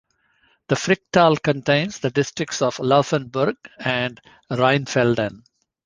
The Fricktal contains the districts of Laufenburg and Rheinfelden.